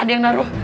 ada yang ngaruh